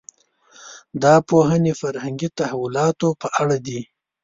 دا پوهنې فرهنګي تحولاتو په اړه دي.